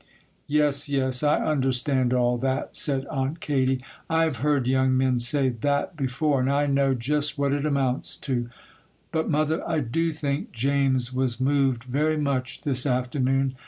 'Yes, yes,—I understand all that,' said Aunt Katy,—'I have heard young men say that before, and I know just what it amounts to.' 'But, mother, I do think James was moved very much, this afternoon.